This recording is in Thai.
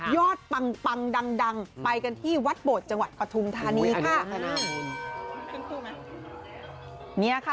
ยอดปังดังไปกันที่วัดโบสถ์กระทุมทานีค่ะ